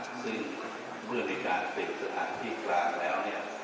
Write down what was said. ซึ่งเมื่อในการเป็นสถานที่กลางแล้วเนี่ย